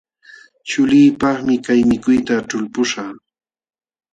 Chuliipaqmi kay mikuyta ćhulpuśhaq.